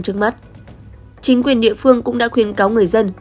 trong mắt chính quyền địa phương cũng đã khuyên cáo người dân